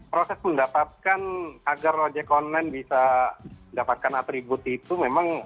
proses mendapatkan agar ojek online bisa mendapatkan atribut itu memang